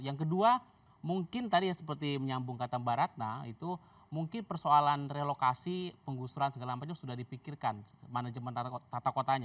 yang kedua mungkin tadi seperti menyambung kata mbak ratna itu mungkin persoalan relokasi penggusuran segala macam sudah dipikirkan manajemen tata kotanya